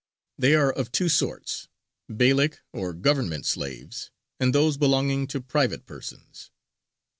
They are of two sorts: Beylik or Government slaves, and those belonging to private persons.